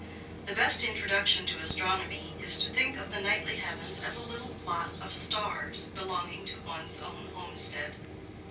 The best introduction to astronomy is to think of the nightly heavens as a little lot of stars belonging to one's own homestead.